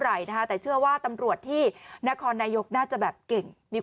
อะไรนะคะแต่เชื่อว่าตำรวจที่นครนายกน่าจะแบบเก่งมี